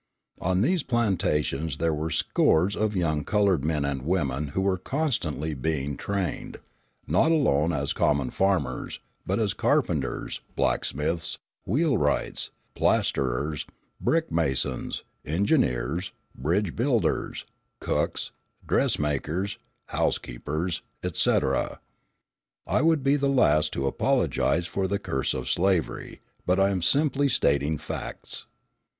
On these plantations there were scores of young coloured men and women who were constantly being trained, not alone as common farmers, but as carpenters, blacksmiths, wheelwrights, plasterers, brick masons, engineers, bridge builders, cooks, dressmakers, housekeepers, etc. I would be the last to apologise for the curse of slavery; but I am simply stating facts.